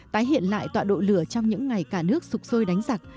tái hiện lại tọa độ lửa trong những ngày cả nước sụp sôi đánh giặc